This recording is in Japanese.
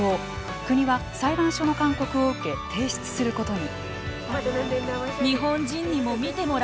国は裁判所の勧告を受け提出することに。